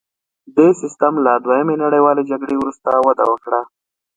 دې سیستم له دویمې نړیوالې جګړې وروسته وده وکړه